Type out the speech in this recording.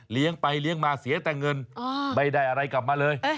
ไปเลี้ยงมาเสียแต่เงินไม่ได้อะไรกลับมาเลย